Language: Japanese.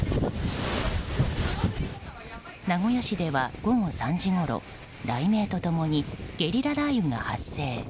名古屋市では午後３時ごろ雷鳴と共にゲリラ雷雨が発生。